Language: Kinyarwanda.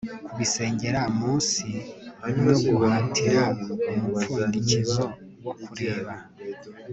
Kubisengera munsi no guhatira umupfundikizo wo kureba